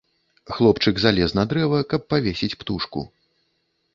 Хлопчык залез на дрэва, каб павесіць птушку.